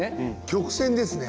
曲線ですね。